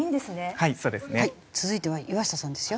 はい続いては岩下さんですよ。